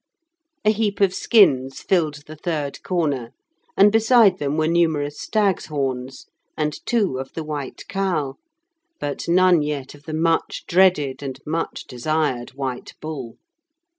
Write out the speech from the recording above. A heap of skins filled the third corner, and beside them were numerous stag's horns, and two of the white cow, but none yet of the much dreaded and much desired white bull.